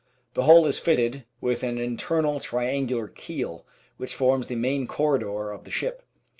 The hull is fitted with an internal triangular keel which forms the main corridor of the ship.